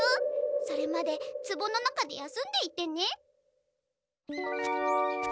それまでつぼの中で休んでいてね。